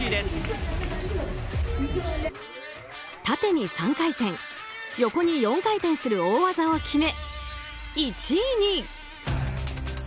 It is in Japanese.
縦に３回転、横に４回転する大技を決め１位に。